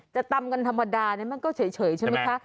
ตำกันธรรมดามันก็เฉยใช่ไหมคะ